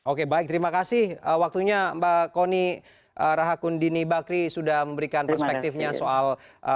oke baik terima kasih waktunya mbak kony rahakundini bakri sudah memberikan perspektifnya soal